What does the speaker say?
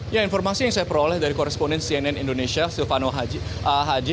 ya informasi yang saya peroleh dari koresponden cnn indonesia silvano haji